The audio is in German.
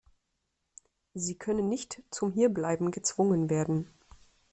Sie können nicht zum Hierbleiben gezwungen werden.